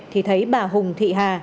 thì thấy bà hùng thị hà